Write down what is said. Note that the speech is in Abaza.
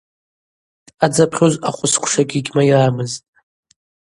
Дъадзапхьуз ахвысквшагьи гьмайрамызтӏ.